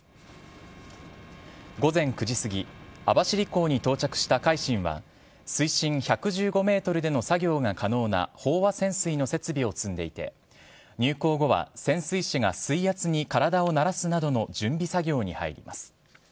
午前９時過ぎ、網走港に到着した海進は、水深１１５メートルでの作業が可能な飽和潜水の設備を積んでいて、入港後は潜水士が水圧に体を慣らすなどの準備作業に入ります。